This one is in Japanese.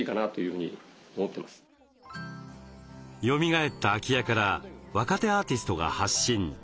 よみがえった空き家から若手アーティストが発信。